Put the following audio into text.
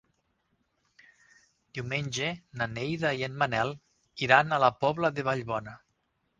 Diumenge na Neida i en Manel iran a la Pobla de Vallbona.